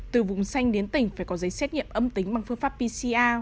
từ vùng xanh đến tỉnh phải có giấy xét nghiệm âm tính bằng phương pháp pcr